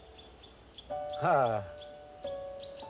はあ。